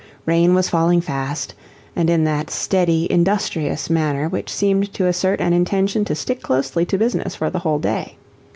Rain was falling fast, and in that steady, industrious manner which seemed to assert an intention to stick closely to business for the whole day.